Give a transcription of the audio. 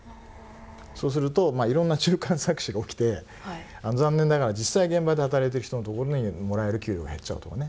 そうするといろんな中間搾取が起きて残念ながら実際、現場で働いてる人のところにもらえる給料が減っちゃうとかね。